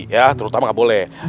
ya terutama nggak boleh